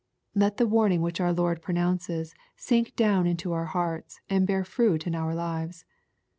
Let the warning which our Lord pronounces, sink down into our hearts, and bear fruit in our lives.